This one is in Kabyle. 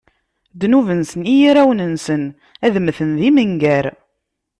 Ddnub-nsen i yirawen-nsen, ad mmten d imengar.